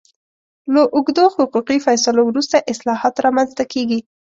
له اوږدو حقوقي فیصلو وروسته اصلاحات رامنځته کېږي.